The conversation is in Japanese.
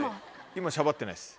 今シャバってないです